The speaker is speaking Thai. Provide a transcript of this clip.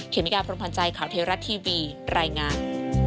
เมกาพรมพันธ์ใจข่าวเทราะทีวีรายงาน